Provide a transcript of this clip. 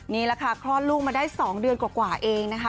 นี่แหละค่ะคลอดลูกมาได้๒เดือนกว่าเองนะคะ